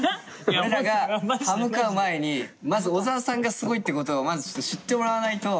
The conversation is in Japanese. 俺らが刃向かう前にまず小沢さんがすごいってことをまず知ってもらわないと。